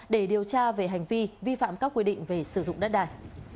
để điều tra về hành vi vi phạm các quy định về sử dụng đất đài